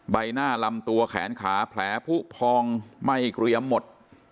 ใบหน้าลำตัวแขนขาแผลผู้พองไหม้เกรียมหมด